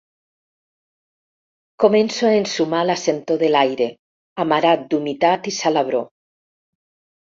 Començo a ensumar la sentor de l'aire, amarat d'humitat i salabror.